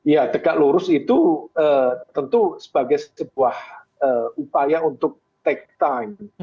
ya tegak lurus itu tentu sebagai sebuah upaya untuk take time